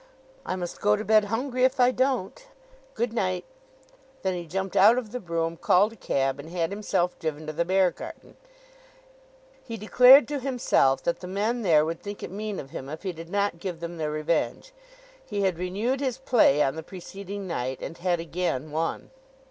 "I must go to bed hungry if I don't. Good night." Then he jumped out of the brougham, called a cab, and had himself driven to the Beargarden. He declared to himself that the men there would think it mean of him if he did not give them their revenge. He had renewed his play on the preceding night, and had again won.